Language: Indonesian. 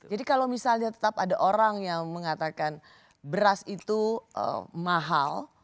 jadi kalau misalnya tetap ada orang yang mengatakan beras itu mahal